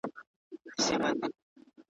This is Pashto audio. وطن ډک دئ له جاهلو ساده گانو ,